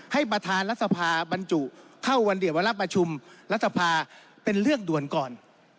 ประธานรัฐสภาบรรจุเข้าวันเดียววันรับประชุมรัฐสภาเป็นเรื่องด่วนก่อน